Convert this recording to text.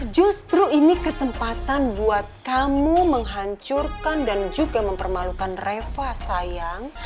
justru ini kesempatan buat kamu menghancurkan dan juga mempermalukan reva sayang